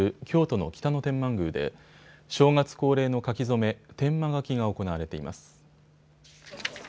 京都の北野天満宮で正月恒例の書き初め、天満書が行われています。